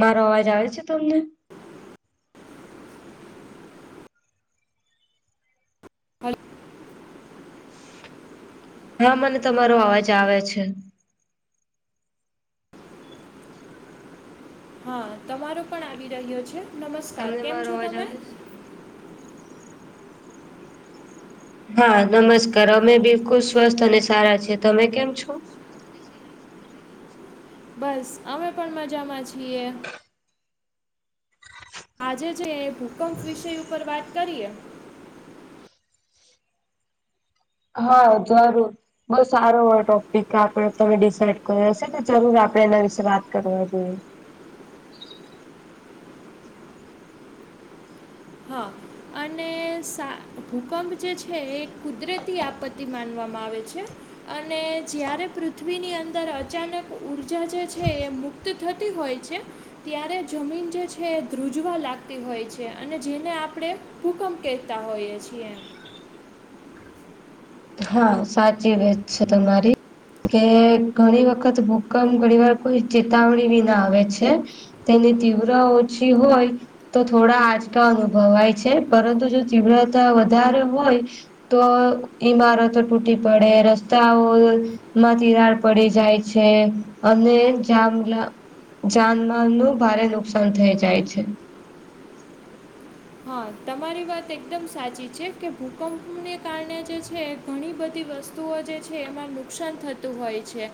મારો અવાજ આવે છે તમને? હલો. હા મને તમારો અવાજ આવે છે. હા તમારો પણ આવી રહ્યો છે નમસ્કાર તમને કેમ મારો છો અવાજ તમે? આવે છે? હા નમસ્કાર અમે બિલકુલ સ્વસ્થ અને સારા છે. તમે કેમ છો? બસ અમે પણ મજામાં છીએ. આજે જે ભૂકંપ વિષય ઉપર વાત કરીએ. હા જરૂર બઉ સારો હો ટોપિક આપડે તમે ડિસાઇડ કર હશે તો જરૂર આપડે એના વિશે વાત કરવા જઈએ. હા અને સા ભૂકંપ જે છે એ કુદરતી આપ માનવામાં આવે છે અને જ્યારે પૃથ્વીની અંદર અચાનક ઉર્જા જે છે એ મુક્ત થતી હોય છે. ત્યારે જમીન જે છે એ ધ્રુજવા લાગતી હોય છે. અને જે ને આપણે ભૂકંપ કહેતા હોઈએ છીએ એ. હા સાચી વત છે તમારી. કે ઘણી ભૂકંપ ઘણી વાર કોઈ ચેતાવણી વિ ના આવે છે. તેને તીવ્ર ઓછી હોય. તો થોડા આંચકા અનુભવાય છે પરંતુ જો તીવ્રતા વધારે હોય. તો ઈમારતો તૂટી પડે, રસ્તાઓ તિરાડ પડી જાય, અને જામલા જાનમાલ નું ભારે નુકસાન થઈ જાય છે. હા તમારી વાત એકદમ સાચી છે કે ભૂકંપને કારણે જે છે. ઘણી બધી વસ્તુઓ જે છે એમાં નુકસાન થતું હોય છે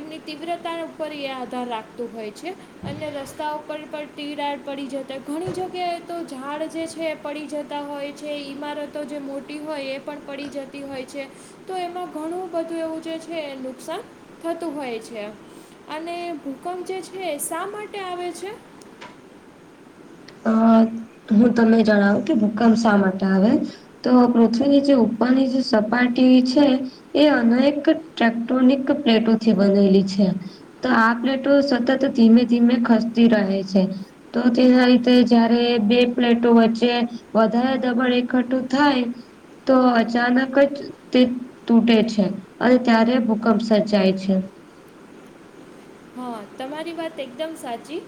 એમની તીવ્રતા. ઉપ એ આધાર રાખતું હોય. અને ઉપર પણ તીરાડ પડી જતા ઘણી જગ્યાએ તો ઝાડ જે છે એ પડી જતા હોય છે. ઈમારતો જે મોટી હોય એ પણ પડી જતી હોય છે. તો એમાં ઘણું બધું એવું જે છે નુકસાન, થતું હોય છે અને ભૂકંપ જે છે શા માટે આવે છે? અ હું તમને જણાવું કે ભૂકંપ શા માટે આવે. તો પૃથ્વીની જે ઉપરની જે સપાટી છે. એ અનેક ટ્રેકટોનિક પ્લેટો થી બનેલી છે. તો આ પ્લેટો સતત ધીમે ધીમે ખસતી રહે છે, તો તેના જયારે બે પ્લેટો વચ્ચે વધારે દબાણ એકઠું થાય. તો અચાનક જ. તે તૂટે છે, અને ત્યારે ભૂકંપ સર્જાય છે. હા તમારી વાત એકદમ સાચી.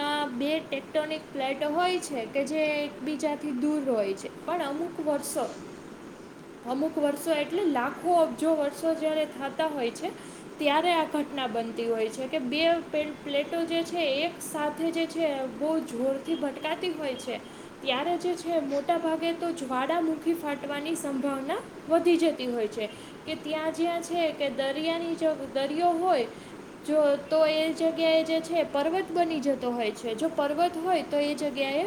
આ ટેક્ટોનિક ફ્લેટ હોય છે, કે જે એકબીજાથી દૂર હોય છે. પણ અમુક વર્ષો. [inaudible] અમુક વર્ષો એટલે લાખો અબજો વર્ષો જયારે થાતા હોય છે. ત્યારે આ ઘટના બનતી હોય છે. કે બે પ પ્લેટો જે છે એક સાથે જે છે, બહુ જોરથી ભટકાતી હોય છે. ત્યારે જે છે, મોટા ભાગે તો જ્વાળાામુખી ફાટવાની સંભાવના વધી જતી હોય છે, કે ત્યાં જ્યાં છે, કે દરિયાની જો દરિયો હોય જો તો એ જગ્યાએ જે છે પર્વત બની જતો હોય છે જો પર્વત તો એ જગ્યાએ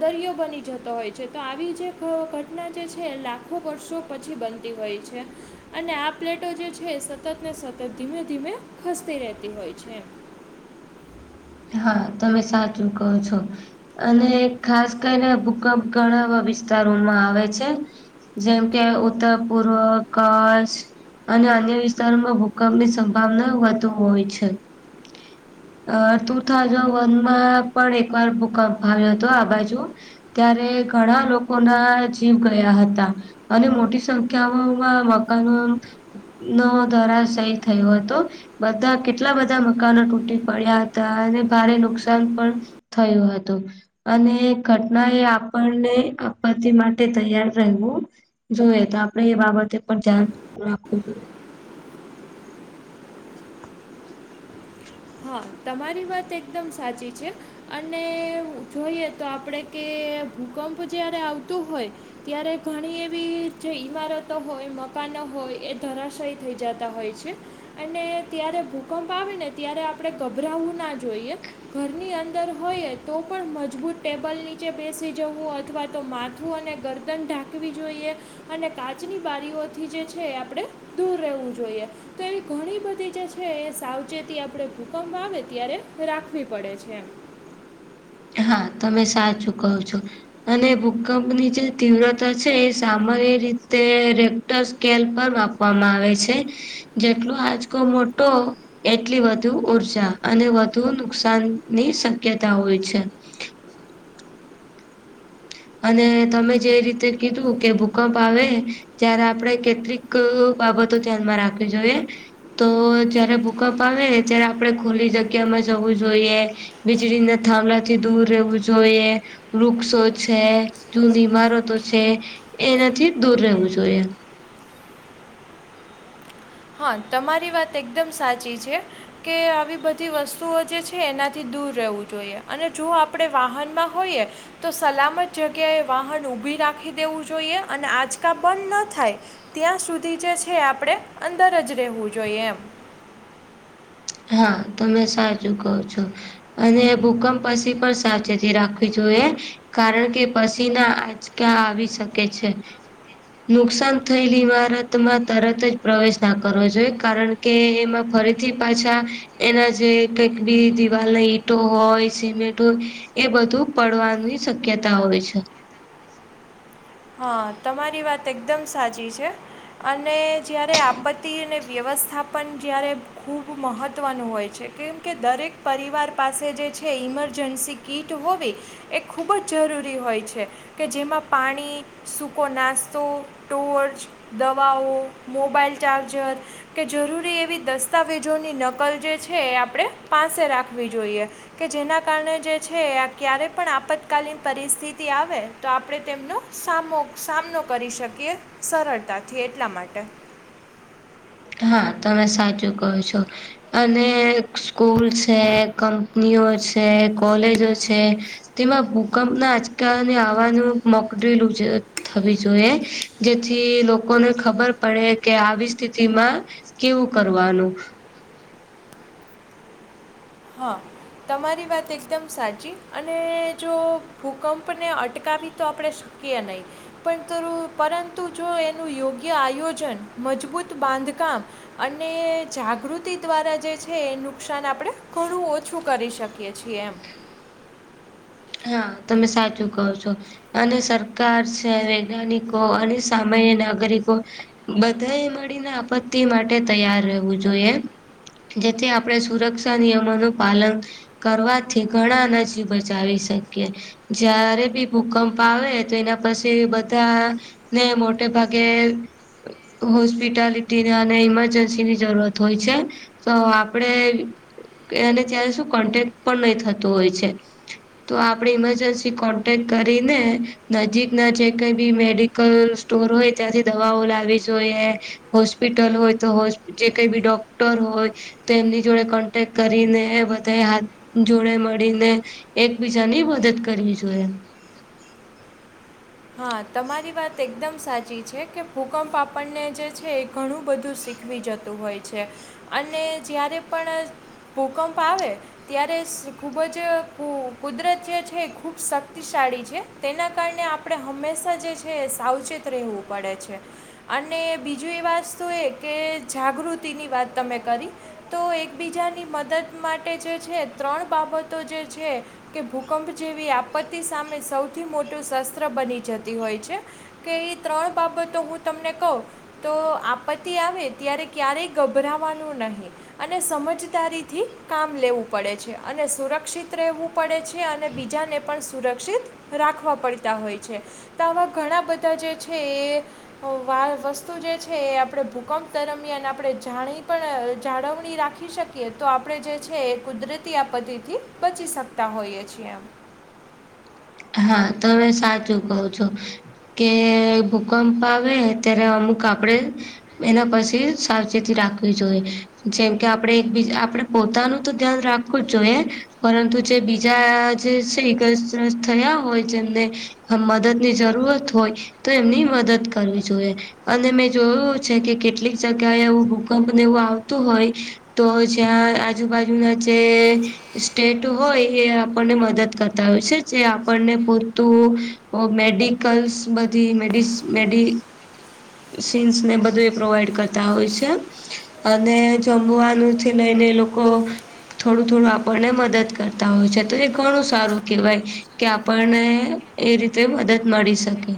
દરિયો બની જતો હોય છે, તો આવી જે ઘટના જે છે લાખો વર્ષો પછી બનતી હોય છે. અને આ પ્લેટો જે છે, સતત સતત ધીમે ખસતી રહેતી હોય છે એમ. હા તમે સાચું કહો છો. અને ખાસ કરીને ભૂકંપ ઘણા વિસ્તારોમાં આવે છે. જેમ કે ઉત્તર પૂર્વ કચ્છ અને અન્ય વિસ્તારોમાં ભૂકંપની સંભાવના વધુ હોય છે. અ ટુ થાઉઝન્ડ વનમાં પણ એકવાર પણ એક વાર ભૂંકપ આવ્યો હતો આ બાજુ ત્યારે ઘણા લોકો ના જીવ ગયા હતા. અને મોટી સંખ્યાઓમાં મકાન નવો ધરાશાયી થયો હતો. બધા કેટલા બધા મકાનો તૂટી પડ્યા હતા. અને ભારે નુકસાન પણ થયું હતું. અને ઘટના એ આપણને આપત્તિ માટે તૈયાર રેહવું જોઈએ તો આપણે એ બાબતે પણ ધ્યાન રાખવું જોઈએ. હા તમારી વાત એકદમ સાચી છે. અને જોઈએ તો આપડે કે ભૂકંપ જયારે આવતો હોય ત્યારે ઘણી એવી જે ઈમારતો હોય મકાનો હોય એ ધરાશાયી થઈ જતા હોય છે. અને ત્યારે ભૂકંપ આવે ને ત્યારે આપણે ગભરાવું ના જોઈએ. ઘરની અંદર હોય તો પણ મજબૂત ટેબલ નીચે બેસી જવું અથવા તો મા થું અને ગરદન ઢાખવી જોયે. અને કાચની બારીઓથી જે છે એ આપણેે દૂર રહેવું જોઈએ. તો એવી ઘણી બધી જે છે એ સાવચેતી આપણે ભૂકંપ આવે ત્યારે રાખવી પડે છે. હા તમે સાચું કહો છો. અને ભૂકંપની જે તીવ્રતા છે એ સામાન્ય રીતે સ્કેલ પર માપવામાં આવે છે જેટલો આચકો મોટો એટલી વધુ ઊર્જા અને વધુ નુકસાનની શક્યતા હોય છે. [inaudible] અને તમે જે રીતે કીધું કે ભૂકંપ આવે ત્યારે આપણે કેટલીક બાબતો ધ્યાનમાં રાખવી જોઈએ. તો જ્યારે ભૂકંપ આવે ત્યારે આપણેે ખુલી જગ્યામાં જવું જોઈએ. વીજળીના થાંભલાથી દૂર રહેવું જોઈએ વૃક્ષો છે જુની ઇમારતો છે એનાથી દૂર રહેવું જોઈએ. હા તમારી એકદમ સાચી છે. કે આવી બધી વસ્તુઓ જે છે એનાથી દૂર રહેવું જોઈએ અને જો આપણે વાહનમાં હોઈએ તો સલામત જગ્યાએ વાહન ઊભી રાખી દેવું જોઈએ અને આંચકા બંધ ના થાય ત્યાં સુધી જે છે આપણે અંદર જ રહેવું જોઈએ એમ. હા તમે સાચું કહો છો. અને ભૂકંપ પછી પણ સાવચેતી રાખવી જોઈએ. કારણ કે પસીના આંચકા આવી શકે છે. નુકસાન થયેલી ઈમારતમાં તરત જ પ્રવેશ ના કરવો જોઈએ. કારણ કે એમાં ફરીથી પાછા એના જે કંઈક બી દિવાલ ના ઈટો હોય, સિમેન્ટ હોય એ બધું પડવાની શક્યતા હોય છે. હા તમારી વાત એકદમ સાચી છે. અને જ્યારે આપત્તિ અને વ્યવસ્થાપન જ્યારે ખૂબ મહત્ત્વનું હોય છે, કેમ કે દરેક પરિવાર પાસે જે છે એ ઇમરજન્સી કીટ હોવી એ ખૂબ જ જરૂરી હોય છે. કે જેમાં પાણી સૂકો નાસ્તો, ટોર્ચ, દવાઓ, મોબાઈલ ચાર્જર કે જરૂરી એવી દસ્તાવેજોની નકલ જે છે એ આપણે પાસે રાખવી જોઈએ. કે જેના કારણે જે છે, આ ક્યારે પણ આપતકાલીન પરિસ્થિતિ આવે તો આપણે તેમનું સામો સામનો કરી શકીએ સરળતાથી એટલા માટે. હા, તમે સાચું કહો છો. અને સ્કૂલ છે, કંપનીઓ છે, કોલેજો છે તેમાં ભૂકંપના આંચકા ને આવવાનું મોક [unintelligible] થવી જોઈએ. જેથી લોકોને ખબર પડે કે આવી સ્થિતિમાં કેવું કરવાનું. હા. તમારી વાત એકદમ સાચી. અને જો ભૂકંપને અટકાવી તો આપણે શ કીએ નહીં. પંતરુ પરંતુ જો એનું યોગ્ય આયોજન, મજબૂત બાંધકામ અને જાગૃતિ દ્વારા જે છે એ નુકસાન આપણેે ઘણું ઓછું કરી શકીએ છીએ એમ. હા. તમે સાચું કહો છો. અને સરકાર છે, વૈજ્ઞાનિકો અને સામાન્ય નાગરિકો બધાએ મળીને આપત્તિ માટે તૈયાર રહેવું જોઈએ. જેથી આપણે સુરક્ષા નિયમોનું પાલન કરવાથી ઘણાના જીવ બચાવી શ કીએ. જયારે બી ભૂકંપ આવે તો એના પછી બધા ને મોટે ભાગે હોસ્પિટાલિટીને અને ઈમરજન્સી ની જરૂરત હોય છે. તો આપણે એને ત્યારે શું કોન્ટેક્ટ પણ નહી થતું હોય છે. તો આપણે ઈમરજન્સી કોન્ટેક કરીને નજીક-નજીક કાંઈ બી મેડિકલ્સ સ્ટોર હોય ત્યાંથી દવાઓ લાવવી જોઈએ. હોસ્પિટલ હોય તો હોસ જે કંઈ બી ડોક્ટર હોય તો એમની જોડે કોન્ટેક્ટ કરીને બધાઈ હાથ જોડે મળીને એક બીજા ની મદદ કરવી જોઈએ. હા, તમારી વાત એકદમ સાચી છે, કે ભૂકંપ આપણને જે છે એ ઘણું બધું શીખ ખવી જતું હોય છે. અને જ્યારે પણ ભૂકંપ આવે ત્યારે સ ખૂબ જ કુ કુદરત જે છે એ ખૂબ શક્તિશાળી છે, તેના કારણે આપ પણે હંમેશા જે છે એ સાવચેત રહેવું પડે છે. અને બીજું એ વાસ્તુ એ કે જાગૃતિની વાત તમે કરી. તો એકબીજાની મદદ માટે જે છે, ત્રણ બાબતો જે છે કે ભૂકંપ જેવી આપત્તિ સામે સૌથી મોટું શસ્ત્ર બની જતી હોય છે. કે ઈ ત્રણ બાબતો હું તમને કહું તો આપત્તિ આવે ત્યારે ક્યારેય ગભરાવાનું નહીં. અને સમજદારીથી કામ લેવું પડે છે. અને સુરક્ષિત રહેવું પડે છે, અને બીજાને પણ સુરક્ષિત રાખવા પડ તા હોય છે. તો આવા ઘણા બધા જે છે એ વા વસ્તુ જે છે એ આપણે ભૂકંપ દરમિયાન આપણે જાણી પણ જાળવણી રાખી શકીએ, તો આપણે જે છે એ કુદરતી આપત્તિથી બચી શકતા હોઈએ છીએ એમ. હા. તમે સાચું કહો છો. કે ભૂકંપ આવે ત્યારે અમુક આપણે એના પછી સાવચેતી રાખવી જોઈએ. જેમ કે આપણે એક બીજા આપણે પોતાનું તો ધ્યાન રાખવું જ જોઈએ. પરંતુ જે બીજા જે છે ઈજાગ્રસ્ત થયા હોય જેમને અહ મદદની જરૂરત હોય, તો એમની મદદ કરવી જોઈએ. અને મેં જોયું છે કે કેટલીક જગ્યાએ એવું ભૂકંપને એવું આવતું હોય તો જ્યાં આજુબાજુના જે સ્ટેટ હોય એ આપણને મદદ કરતા હોય છે. જે આપણને પુરતું મેડિકલ્સ બધી મેડિસ મેડિ સીન્સ ને એ બધું એ પ્રોવાઈડ કરતા હોય છે. અને જમવાનું થી લઈને લોકો થોડું-થોડું આપણને મદદ કરતા હોય છે. તો એ ઘણું સારું કહેવાય. કે આપણને એ રીતે મદદ મળી શકે.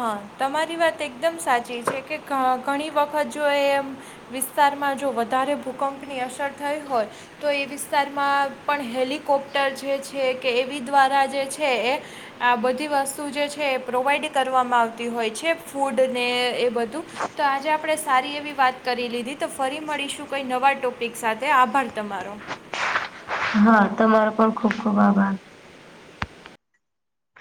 હા. તમારી વાત એકદમ સાચી છે કે ઘ ઘણી વખત જો એમ વિસ્તારમાં જો વધારે ભૂકંપની અસર થઈ હોય તો ઈ વિસ્તારમાં પણ હેલિકોપ્ટર જે છે કે એવી દ્વારા જે છે એ આ બધી વસ્તુ જે છે એ પ્રોવાઈડ કરવામાં આવતી હોય છે, ફૂડ ને એ બધું. તો આજે આપણે સારી એવી વાત કરી લીધી. તો ફરી મળીશું કોઈ નવા ટોપિક સાથે. આભાર તમારો. હા. તમારો પણ ખુબ-ખુબ આભાર.